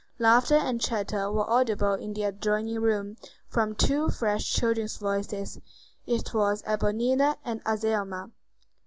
Laughter and chatter were audible in the adjoining room, from two fresh children's voices: it was Éponine and Azelma.